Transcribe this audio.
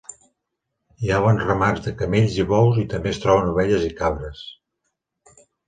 Hi ha bons ramats de camells i bous i també es troben ovelles i cabres.